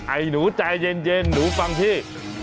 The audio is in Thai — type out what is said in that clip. ไอ้หนูใจเย็นหนูฟังพี่